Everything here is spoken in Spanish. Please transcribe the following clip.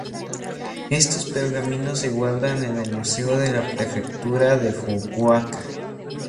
Estos pergaminos se guardan en el museo de la prefectura de Fukuoka.